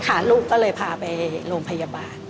ลูกก็เลยพาไปโรงพยาบาล